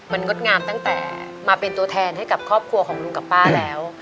มันงดงามตั้งแต่มาเป็นตัวแทนให้กับครอบครัวของลุงกับป้าแล้ว